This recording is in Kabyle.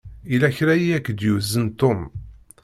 Yella kra i ak-d-yuzen Tom.